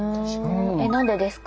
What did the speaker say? え何でですか？